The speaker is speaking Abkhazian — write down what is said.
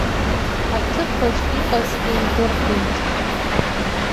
Аҭыԥаҿ иҟаз еибырҳәеит…